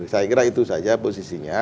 saya kira itu saja posisinya